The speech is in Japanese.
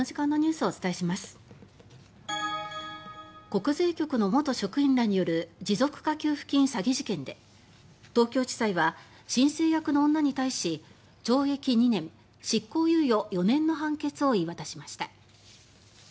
国税局の元職員らによる持続化給付金詐欺事件で東京地裁は申請役の女に対し懲役２年、執行猶予４年の判決を言い渡しました。